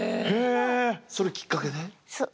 それきっかけで？